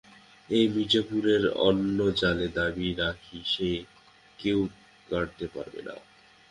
ঐ মির্জাপুরের অন্নজলে দাবি রাখি, সে কেউ কাড়তে পারবে না।